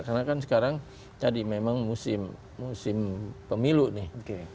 karena kan sekarang jadi memang musim pemilu nih